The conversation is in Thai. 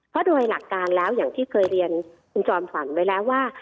เพราะโดยหลักการแล้วอย่างที่เคยเรียนคุณจอมฝันไว้แล้วว่า